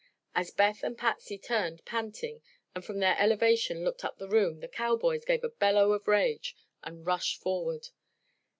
As Beth and Patsy turned, panting, and from their elevation looked up the room, the cowboys gave a bellow of rage and rushed forward.